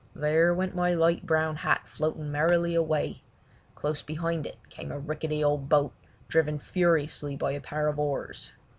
There went my light brown hat floating merrily away. Close behind it came a rickety old boat, driven furiously by a pair of oars.